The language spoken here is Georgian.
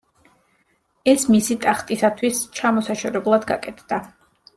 ეს მისი ტახტისათვის ჩამოსაშორებლად გაკეთდა.